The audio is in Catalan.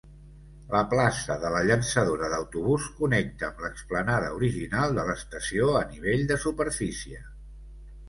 La plaça de la llançadora d'autobús connecta amb l'explanada original de l'estació a nivell de superfície.